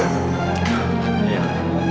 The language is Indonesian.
itu pak rizky pak